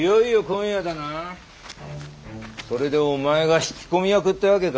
それでお前が引き込み役ってわけか。